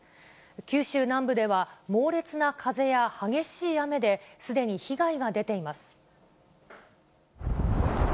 九州南部では猛烈な風や激しい雨で、すでに被害が出ています。